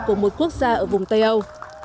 của một quốc gia ở vùng tây âu